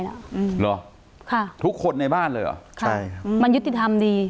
หรอทุกคนในบ้านเลยเหรอมันยุติธรรมดี